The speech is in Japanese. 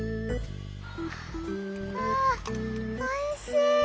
ああおいしい！